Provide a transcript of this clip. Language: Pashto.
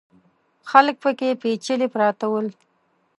خلک پکې پېچلي پراته ول.